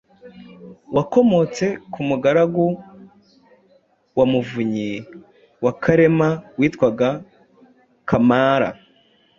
Wakomotse ku mugaragu wa Muvunyi wa Karema witwaga Kamara,